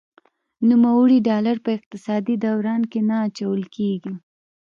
نوموړي ډالر په اقتصادي دوران کې نه اچول کیږي.